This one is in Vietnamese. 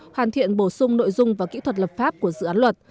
hoàn thiện bổ sung nội dung và kỹ thuật lập pháp của dự án luật